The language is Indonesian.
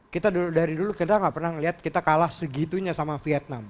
kita dari dulu kita nggak pernah melihat kita kalah segitunya sama vietnam